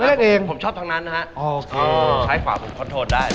โอเคใช้ขวาผมควรโทรดได้